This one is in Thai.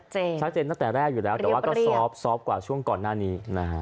ชัดเจนแต่แรกแต่สอฟกว่าช่วงก่อนหน้านี้